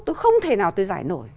tôi không thể nào tôi giải nổi